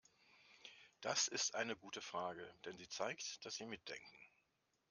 Das ist eine gute Frage, denn sie zeigt, dass Sie mitdenken.